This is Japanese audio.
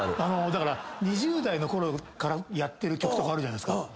だから２０代のころからやってる曲あるじゃないですか。